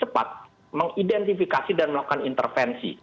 pemerintah bergerak cepat mengidentifikasi dan melakukan intervensi